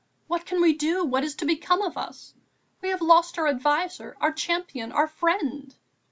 What can we do, what is to become of us? We have lost our adviser, our champion, our friend."